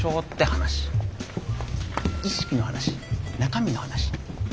意識の話中身の話。